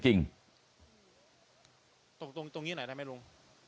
ตกตรงนี้หน่อยได้ไหมลุง